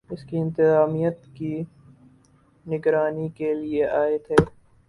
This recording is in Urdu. اس کے انتظامات کی نگرانی کیلئے آئے تھے